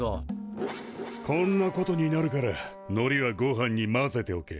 こんなことになるからのりはごはんに混ぜておけ。